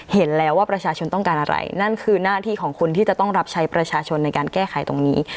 เห็นแล้วว่าประชาชนต้องการอะไรนั่นคือหน้าที่ของคุณที่จะต้องรับใช้ประชาชนในการแก้ไขตรงนี้